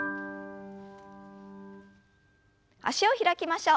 脚を開きましょう。